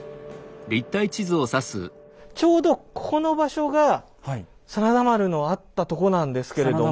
ちょうどここの場所が真田丸のあったとこなんですけれども。